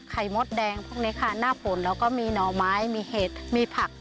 มดแดงพวกนี้ค่ะหน้าฝนแล้วก็มีหน่อไม้มีเห็ดมีผัก